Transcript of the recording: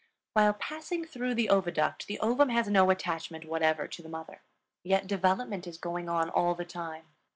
While passing through the oviduct, the ovum has no attachment whatever to the mother, yet development is going on all the time.